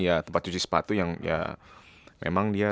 ya tempat cuci sepatu yang ya memang dia